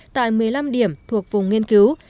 tại một mươi năm điểm thuộc vùng nghiên cứu